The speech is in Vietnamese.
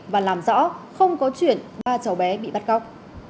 và làm rõ không có chuyện ba cháu bé bị bắt cóc